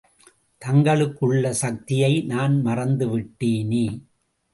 தங்களுக்குள்ள சக்தியை நான் மறந்து விட்டேனே.